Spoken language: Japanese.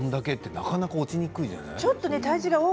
なかなか落ちにくいですよね。